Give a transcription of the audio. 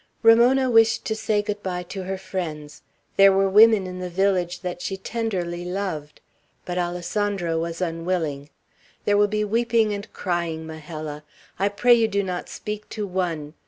Ramona wished to say good by to their friends. There were women in the village that she tenderly loved. But Alessandro was unwilling. "There will be weeping and crying, Majella; I pray you do not speak to one.